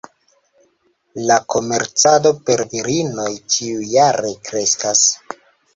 La komercado per virinoj ĉiujare kreskas.